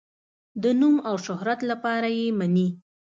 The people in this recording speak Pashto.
د نوم او شهرت لپاره یې مني.